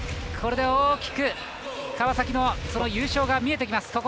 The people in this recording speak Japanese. これで大きく川崎の優勝が見えてきます。